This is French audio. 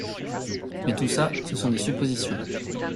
Mais tout ça, ce sont des suppositions.